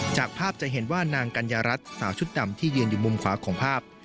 จากภาพจะเห็นว่านางกัญญารัฐสาวชุดดำที่ยืนอยู่มุมขวาของภาพ